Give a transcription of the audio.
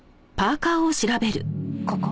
ここ。